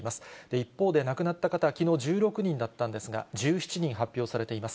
一方で亡くなった方はきのう１６人だったんですが、１７人発表されています。